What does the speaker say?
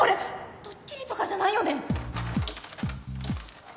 ドッキリとかじゃないよね？